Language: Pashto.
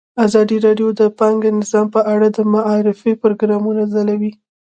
ازادي راډیو د بانکي نظام په اړه د معارفې پروګرامونه چلولي.